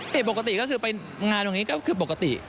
ปกติก็คือไปงานตรงนี้ก็คือปกติ